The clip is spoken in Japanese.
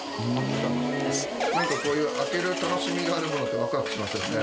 何かこういう開ける楽しみがあるものってワクワクしますよね。